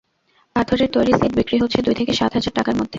পাথরের তৈরি সেট বিক্রি হচ্ছে দুই থেকে সাত হাজার টাকার মধ্যে।